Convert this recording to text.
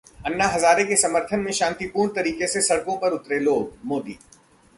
अन्ना हजारे के समर्थन में शांतिपूर्ण तरीके से सड़कों पर उतरे लोग-मोदी